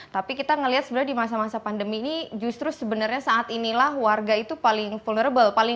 tapi kita melihat sebenarnya di masa masa pandemi ini justru sebenarnya saat inilah warga itu paling vulnerable